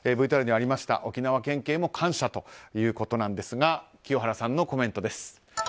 ＶＴＲにもありましたが沖縄県警も感謝ということなんですが清原さんのコメントです。